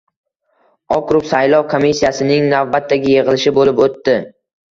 Okrug saylov komissiyasining navbatdagi yig‘ilishi bo‘lib o‘tdi